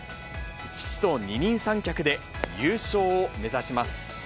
父と二人三脚で、優勝を目指します。